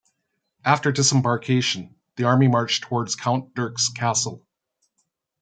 After disembarkation the army marched towards Count Dirk's castle.